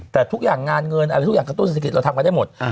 แต่ทุกอย่างงานเงินอะไรทุกอย่างกระตุ้นเศรษฐกิจเราทำกันได้หมด